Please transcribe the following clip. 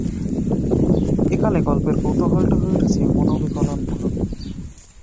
একালে গল্পের কৌতূহলটা হয়ে উঠেছে মনোবিকলনমূলক।